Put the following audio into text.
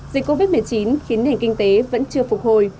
dịch covid một mươi chín khiến nền kinh tế vẫn chưa phục hồi